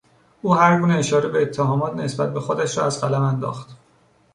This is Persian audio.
او هر گونه اشاره به اتهامات نسبت به خودش را از قلم انداخت.